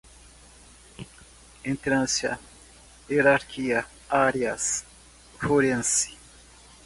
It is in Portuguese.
entrância, hierarquia, áreas, forense